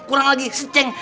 kurang lagi seceng